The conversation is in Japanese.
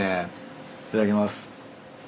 いただきます。